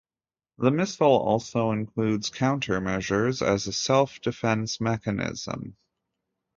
The missile also includes counter measures as a self-defence mechanism.